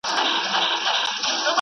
زه مخکي سفر کړی و؟